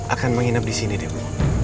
akan menginap disini deh bu